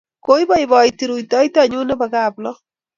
Koipoipoiti rutoitonyun nepo Kaplong'.